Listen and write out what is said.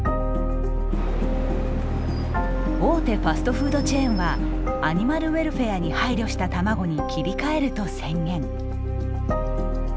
大手ファストフードチェーンはアニマルウェルフェアに配慮した卵に切り替えると宣言。